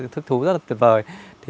thích thú rất là tuyệt vời